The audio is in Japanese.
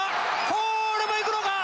こーれもいくのか？